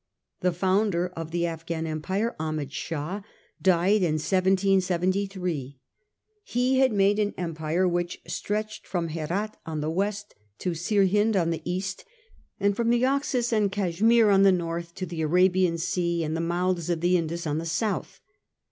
The founder of the Afghan empire, Ahmed Shah, died in 1773. He had made an empire which stretched from Herat on the west to Sirhind on the east, and from the Oxus and Cash mere on the north, to the Arabian Sea and the mouths of the Indus on the south.